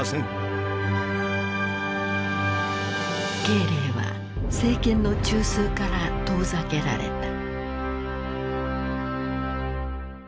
慶齢は政権の中枢から遠ざけられた。